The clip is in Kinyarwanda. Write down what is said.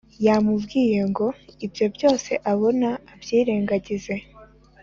yamubwiye ngo ibyo byose abona abyirengagize